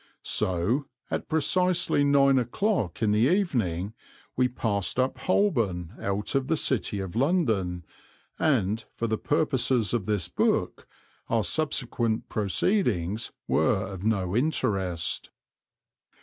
So, at precisely nine o'clock in the evening we passed up Holborn out of the City of London, and, for the purposes of this book, our subsequent proceedings were of no interest.